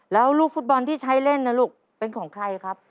แล้วลูกฟุตบอลที่ใช้เล่นนะลูกเป็นของใครครับ